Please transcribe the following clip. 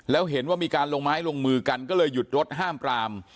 แล้วเห็นว่ามีการลงไม้ลงมือกันก็เลยหยุดรถห้ามปราม